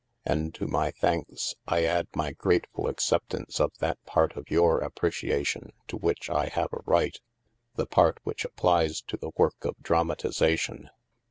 And to my thanks, I add my grateful acceptance of that part of your ap preciation to which I have a right — the part which applies to the work of dramatization.